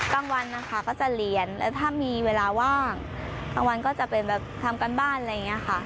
กลางวันนะคะก็จะเรียนแล้วถ้ามีเวลาว่างกลางวันก็จะเป็นแบบทำการบ้านอะไรอย่างนี้ค่ะ